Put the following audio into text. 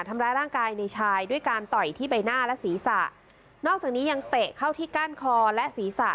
ทำร้ายร่างกายในชายด้วยการต่อยที่ใบหน้าและศีรษะนอกจากนี้ยังเตะเข้าที่ก้านคอและศีรษะ